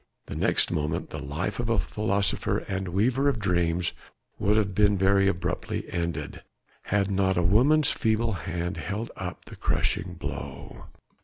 The next moment the life of a philosopher and weaver of dreams would have been very abruptly ended, had not a woman's feeble hand held up the crashing blow.